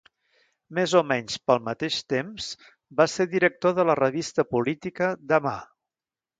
Més o menys pel mateix temps va ser director de la revista política Demà.